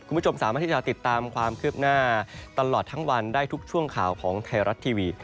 คุณผู้ชมสามารถที่จะติดตามความคืบหน้าตลอดทั้งวันได้ทุกช่วงข่าวของไทยรัฐทีวี